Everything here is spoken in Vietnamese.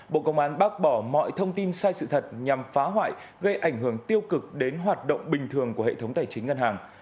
bộ công an bác bỏ mọi thông tin sai sự thật nhằm phá hoại gây ảnh hưởng tiêu cực đến hoạt động bình thường của hệ thống tài chính ngân hàng